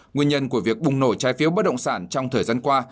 nguyên nhân của việc bùng nổi trái phiếu bất động sản trong thời gian qua